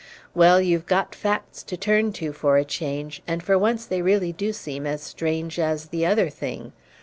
"Well, you've got facts to turn to for a change, and for once they really do seem as strange as the other thing.